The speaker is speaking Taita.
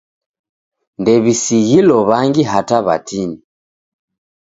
Ndew'isighilo w'angi hata w'atini.